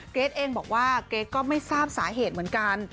เกรทเองบอกว่าเกรทก็ไม่ทราบสาเหตุเหมือนกัน